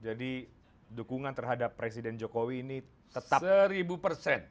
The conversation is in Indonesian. jadi dukungan terhadap presiden jokowi ini tetap